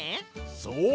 そう。